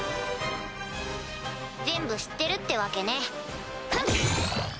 全部知ってるってわけねフン！